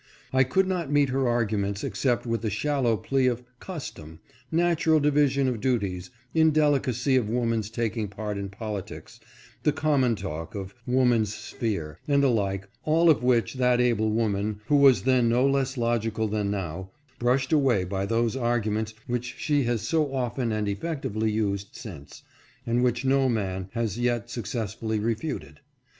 I could not meet her arguments except with the shallow plea of " custom," " natural division of duties," " indelicacy of woman's taking part in politics," the common talk of " woman's sphere," and the like, all of which that able wo ARGUMENT FOR UNIVERSAL SUFFRAGE. 575 man, who was then no less logical than now, brushed away by those arguments which she has so often and effectively used since, and which no man lias yet success fully refuted.